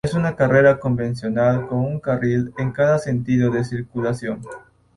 Es una carretera convencional con un carril en cada sentido de circulación.